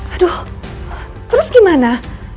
aduh terus gimana